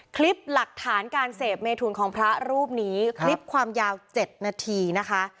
คลิปหลักฐานการเสพเมทุนของพระรูปนี้คลิปความยาว๗นาทีนะคะ